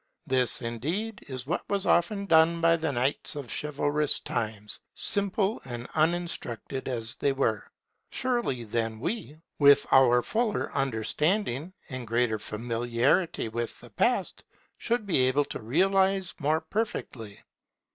This, indeed, is what was often done by the knights of chivalrous times, simple and uninstructed as they were. Surely then we, with our fuller understanding and greater familiarity with the Past, should be able to idealize more perfectly.